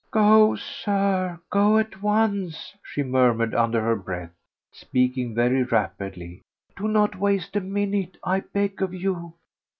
"Go, Sir, go at once!" she murmured under her breath, speaking very rapidly. "Do not waste a minute, I beg of you!